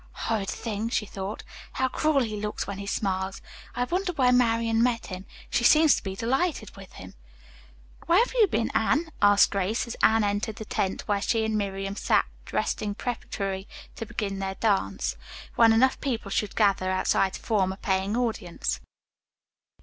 "Horrid thing," she thought. "How cruel he looks when he smiles. I wonder where Marian met him. She seems to be delighted with him." "Where have you been, Anne?" asked Grace, as Anne entered the tent where she and Miriam sat resting preparatory to beginning their dance, when enough people should gather outside to form a paying audience.